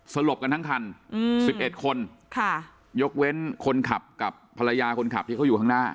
สลบกันทั้งคัน๑๑คนยกเว้นคนขับกับภรรยาคนขับที่เขาอยู่ข้างหน้า